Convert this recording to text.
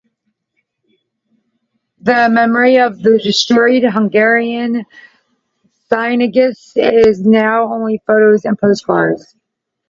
The memory of the destroyed Hungarian synagogues is now only photos and postcards.